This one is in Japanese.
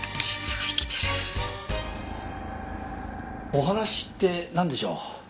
お話ってなんでしょう？